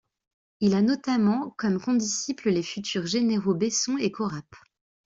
Il a notamment comme condisciples les futurs généraux Besson et Corap.